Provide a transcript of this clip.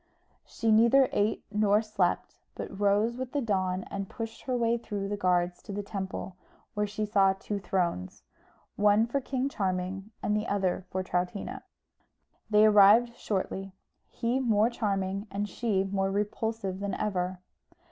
She neither ate nor slept, but rose with the dawn, and pushed her way through the guards to the temple, where she saw two thrones, one for King Charming, and the other for Troutina. They arrived shortly; he more charming and she more repulsive than ever.